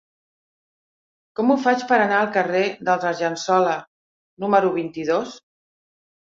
Com ho faig per anar al carrer dels Argensola número vint-i-dos?